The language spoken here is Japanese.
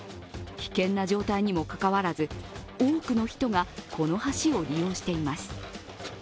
危険な状態にもかかわらず多くの人がこの橋を利用しています。